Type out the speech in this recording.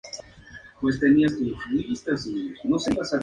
Sus crímenes pronto fueron asesinatos.